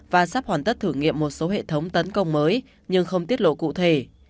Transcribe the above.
và sắp hoàn tất thử nghiệm một số hệ thống tấn công mới nhưng không tiết lộ cụ thể